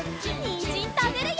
にんじんたべるよ！